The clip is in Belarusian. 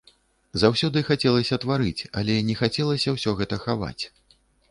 Заўсёды хацелася тварыць, але не хацелася ўсё гэта хаваць.